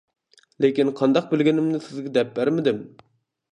لېكىن قانداق بىلگىنىمنى سىزگە دەپ بەرمىدىم.